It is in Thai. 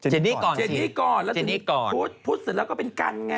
เจนี่ก่อนแล้วถึงพุธพุธเสร็จแล้วเป็นกันไง